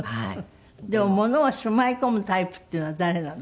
物をしまい込むタイプっていうのは誰なの？